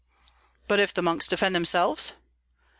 "But if the monks defend themselves?"